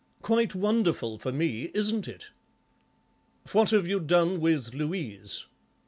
Quite wonderful for me, isn't it?" "What have you done with Louise?"